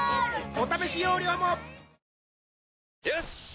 お試し容量もよしっ！